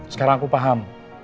sekarang aku paham